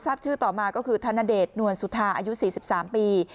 ทราบชื่อต่อมาก็คือธนเดชนวลสุธาอายุ๔๓ปี